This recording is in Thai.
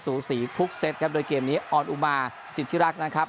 ูสีทุกเซตครับโดยเกมนี้ออนอุมาสิทธิรักษ์นะครับ